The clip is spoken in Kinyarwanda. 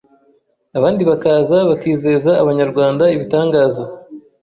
abandi bakaza bakizeza Abanyarwanda ibitangaza